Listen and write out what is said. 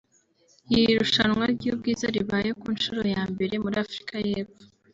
Iri rushanwa ry’ubwiza ribaye ku nshuro ya mbere muri Afurika y’Epfo